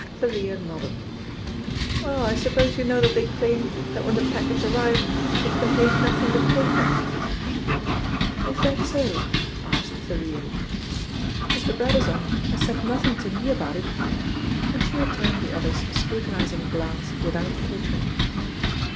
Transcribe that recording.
Thalia nodded. "Well, I suppose you know that they claim that when the package arrived it contained nothing but paper?" "Is that so?" asked Thalia. "Mr. Brabazon has said nothing to me about it," and she returned the other's scrutinising glance without faltering.